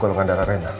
golongan darah rena